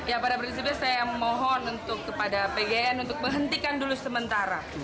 ya pada prinsipnya saya mohon untuk kepada pgn untuk menghentikan dulu sementara